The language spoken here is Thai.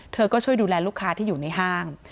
เธอก็ช่วยดูแลลูกค้าที่อยู่ในห้าง